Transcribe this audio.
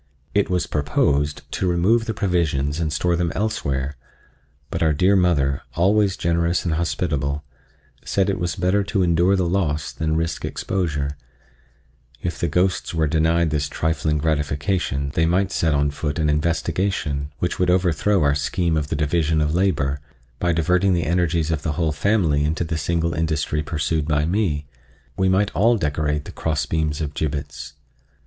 It was proposed to remove the provisions and store them elsewhere, but our dear mother, always generous and hospitable, said it was better to endure the loss than risk exposure: if the ghosts were denied this trifling gratification they might set on foot an investigation, which would overthrow our scheme of the division of labor, by diverting the energies of the whole family into the single industry pursued by me—we might all decorate the cross beams of gibbets.